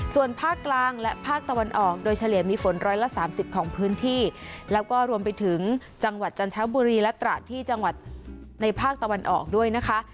ส่วนภาคกลางและภาคตะวันออกโดยเฉลี่ยมีฝนร้อยละสามสิบของพื้นที่แล้วก็รวมไปถึงจังหวัดจันทบุรีและตราที่จังหวัดในภาคตะวันออกด้วยนะคะ